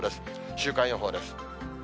週間予報です。